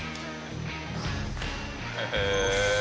へえ。